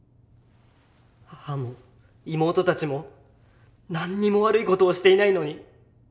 母も妹たちも何にも悪い事をしていないのに。